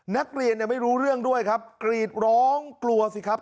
นักเรียนเนี่ยไม่รู้เรื่องด้วยครับกรีดร้องกลัวสิครับ